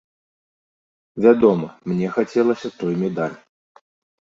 Вядома, мне хацелася той медаль.